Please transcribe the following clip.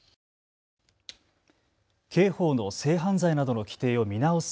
刑法の性犯罪などの規定を見直す